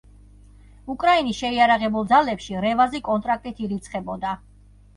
უკრაინის შეიარაღებულ ძალებში რევაზი კონტრაქტით ირიცხებოდა.